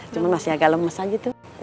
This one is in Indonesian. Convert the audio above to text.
cuma masih agak lemes aja gitu